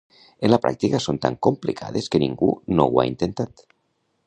En la pràctica són tan complicades que ningú no ho ha intentat.